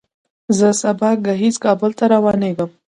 زه سبا ګهیځ کابل ته روانېږم.